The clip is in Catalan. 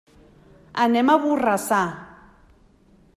Anem a Borrassà.